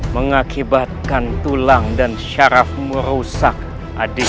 mengakibatkan tulang dan syaraf merusak adik